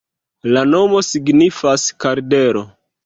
La nomo signifas: kardelo.